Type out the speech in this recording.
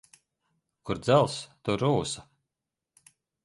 Kur dzelzs, tur rūsa.